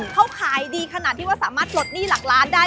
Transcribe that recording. เขาขายดีขนาดที่ว่าสามารถปลดหนี้หลักล้านได้